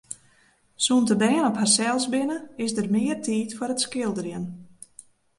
Sûnt de bern op harsels binne, is der mear tiid foar it skilderjen.